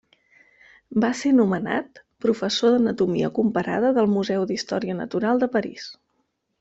Va ser nomenat professor d'anatomia comparada del Museu d'Història Natural de París.